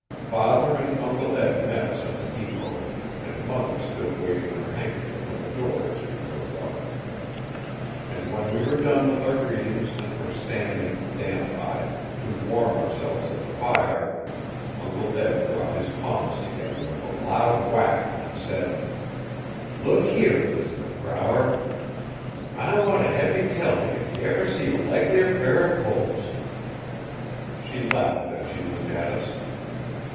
Father and Uncle Eb met us at the depot and mother stood waving her handkerchief at the door as we drove up. And when we were done with our greetings and were standing, damp eyed, to warm ourselves at the fire, Uncle Eb brought his palms together with a loud whack and said: 'Look here, Lizbeth Brower! I want to hev ye tell me if ye ever see a likelier pair o' colts. She laughed as she looked at us.